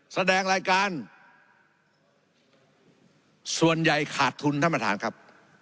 แสดงรายการส่วนใหญ่ขาดทุนท่านประธานครับ